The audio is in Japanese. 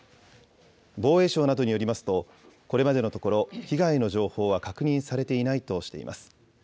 防衛省などによりますと、これまでのところ、被害の情報は確認されていないとしています。